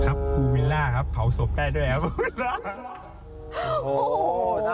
ครับภูวิลล่าครับเผาศพได้ด้วยครับภูวิลล่า